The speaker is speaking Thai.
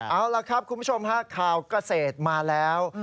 เอาล่ะครับคุณผู้ชมฮะข่าวเกษตรมาแล้ว